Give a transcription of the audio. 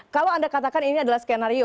kalau anda katakan ini adalah skenario